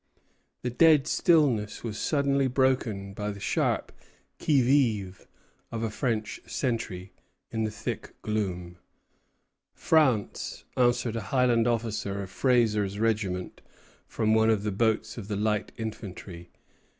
The dead stillness was suddenly broken by the sharp Qui vive! of a French sentry, invisible in the thick gloom. France! answered a Highland officer of Fraser's regiment from one of the boats of the light infantry.